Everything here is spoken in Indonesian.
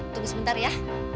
tunggu sebentar ya